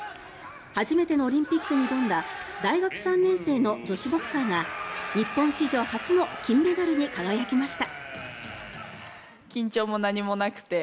初めてのオリンピックに挑んだ大学３年生の女子ボクサーが日本史上初の金メダルに輝きました。